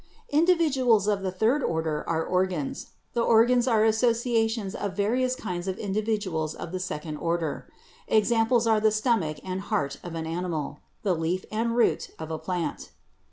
Individuals of the third order are organs. The organs are associations of various kinds of individuals of the second order. Examples are the stomach and heart of an animal, the leaf and root of a plant.